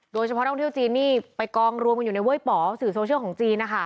โดยเฉพาะท่องเที่ยวจีนนี่ไปกองรวมกันอยู่ในเว้ยป๋อสื่อโซเชียลของจีนนะคะ